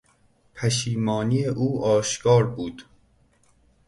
پشیمانی او آشکار بود.